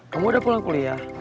kamu udah pulang kuliah